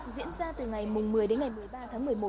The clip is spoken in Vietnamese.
diễn ra từ ngày một mươi đến ngày một mươi ba tháng một mươi một